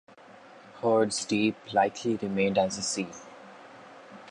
Hurd's Deep likely remained as a sea.